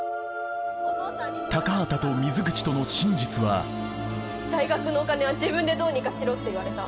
高畑と水口との真実は「大学のお金は自分でどうにかしろ」って言われた。